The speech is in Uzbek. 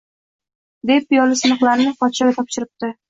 Deb piyola siniqlarini podshoga topshiribdi